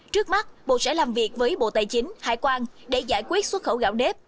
trước mắt bộ sẽ làm việc với bộ tài chính hải quan để giải quyết xuất khẩu gạo đếp